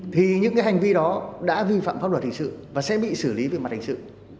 thì những cái hành vi đó đã vi phạm pháp luật hình sự và sẽ bị xử lý về mặt hình sự